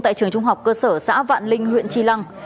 tại trường trung học cơ sở xã vạn linh huyện tri lăng